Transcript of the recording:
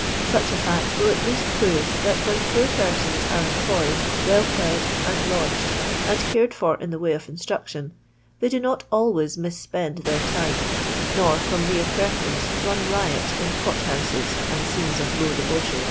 Sach a £fict will at least prore, that when poor persons are em ployed, well fed, and lodged, and cared for in the way of instruction, they do not always mis spend their time, nor, from mere preferenti^ run riot in pot houses and scenes of low debaucho^.